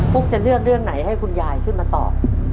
ุ๊กจะเลือกเรื่องไหนให้คุณยายขึ้นมาตอบ